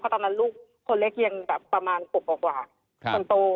เพราะตอนนั้นลูกคนเล็กยังประมาณ๖กว่าคนโต